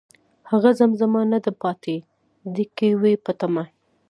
هغه زمزمه نه ده پاتې، ،دی که وي په تمه